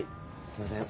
すいません。